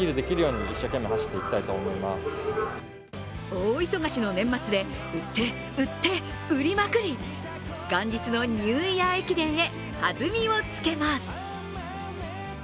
大忙しの年末で売って、売って、売りまくり元日のニューイヤー駅伝へ弾みをつけます。